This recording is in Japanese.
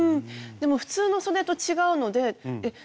でも普通のそでと違うのでえっ